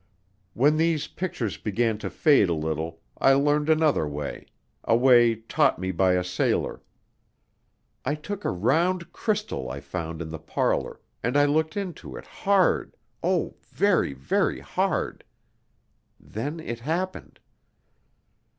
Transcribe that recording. When these pictures began to fade a little, I learned another way, a way taught me by a sailor. I took a round crystal I found in the parlor and I looked into it hard, oh, very, very hard. Then it happened.